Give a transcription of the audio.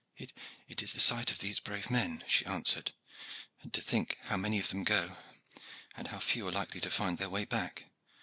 "It is the sight of these brave men," she answered; "and to think how many of them go and how few are like to find their way back.